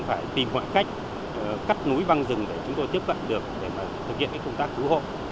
phải tìm mọi cách cắt núi văng rừng để chúng tôi tiếp cận được để thực hiện công tác cứu hộ